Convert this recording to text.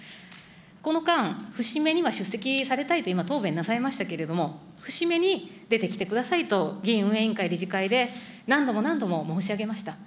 この間、節目には出席されたいと、今、答弁なさいましたけれども、節目に出てきてくださいと、議院運営委員会理事会で、何度も何度も申し上げました。